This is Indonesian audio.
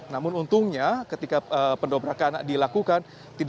namun untungnya ketika pendobrakan dilakukan